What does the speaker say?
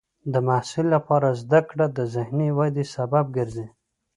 د محصل لپاره زده کړه د ذهني ودې سبب ګرځي.